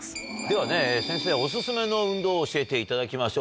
ではね先生お薦めの運動を教えていただきましょう。